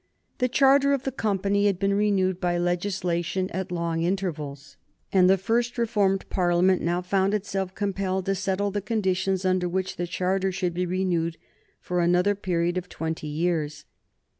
The charter of the Company had been renewed by legislation at long intervals, and the first reformed Parliament now found itself compelled to settle the conditions under which the charter should be renewed for another period of twenty years.